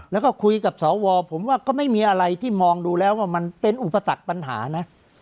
แล้วก็คุยกับสวผมว่าก็ไม่มีอะไรที่มองดูแล้วว่ามันเป็นอุปสรรคปัญหานะ